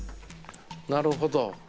なるほど。